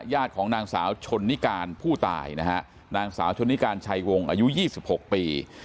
ของนางสาวชนนิการผู้ตายนะฮะนางสาวชนนิการชัยวงอายุ๒๖ปี